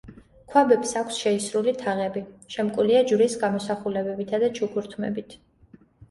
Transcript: ქვაბებს აქვს შეისრული თაღები, შემკულია ჯვრის გამოსახულებებითა და ჩუქურთმებით.